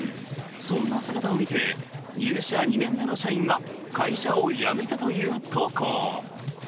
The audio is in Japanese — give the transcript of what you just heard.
そんな姿を見て入社２年目の社員が会社を辞めたという投稿。